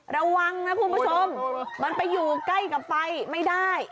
ระวังนะคุณผู้ชมมันไปอยู่ใกล้กับไฟไม่ได้